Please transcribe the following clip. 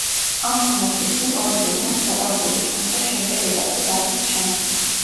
ამ თამაშის წინ ორივე გუნდს დაკარგული ჰქონდა შემდეგ ეტაპზე გასვლის შანსი.